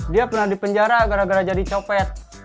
dia pernah di penjara gara gara jadi copet